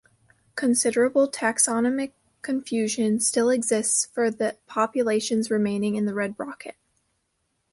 Considerable taxonomic confusion still exists for the populations remaining in the red brocket.